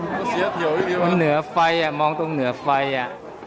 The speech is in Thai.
อ๋อมันเหนือไฟอ่ะมองตรงเหนือไฟอ่ะ